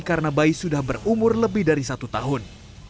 karena bayi sudah berumur lebih dari satu tahun